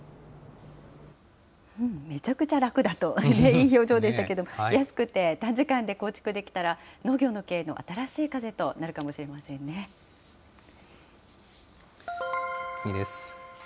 めちゃくちゃ楽だと、いい表情でしたけれども、安くて短時間で構築できたら、農業の経営の新しい風となるかもし次です。